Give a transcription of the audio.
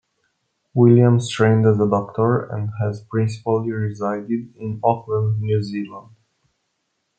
Williams trained as a doctor, and has principally resided in Auckland, New Zealand.